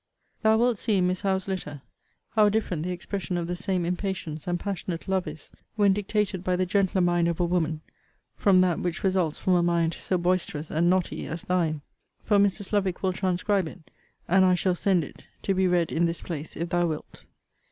Thou wilt see in Miss Howe's letter, how different the expression of the same impatience, and passionate love, is, when dictated by the gentler mind of a woman, from that which results from a mind so boisterous and knotty as thine. For Mrs. Lovick will transcribe it, and I shall send it to be read in this place, if thou wilt.